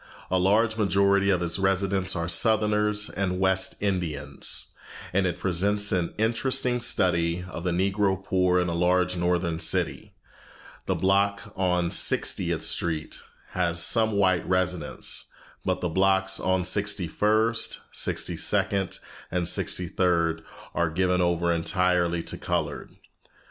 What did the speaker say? A large majority of its residents are Southerners and West Indians, and it presents an interesting study of the Negro poor in a large northern city. The block on Sixtieth Street has some white residents, but the blocks on Sixty first, Sixty second, and Sixty third are given over entirely to colored.